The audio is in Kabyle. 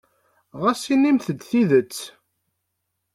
Ɣas inimt-d tidet.